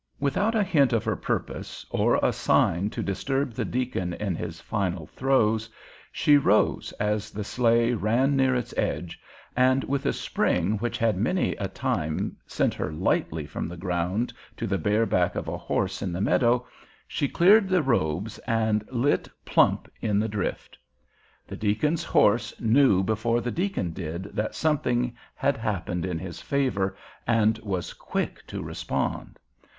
Without a hint of her purpose, or a sign to disturb the deacon in his final throes, she rose as the sleigh ran near its edge, and with a spring which had many a time sent her lightly from the ground to the bare back of a horse in the meadow, she cleared the robes and lit plump in the drift. The deacon's horse knew before the deacon did that something had happened in his favor, and was quick to respond.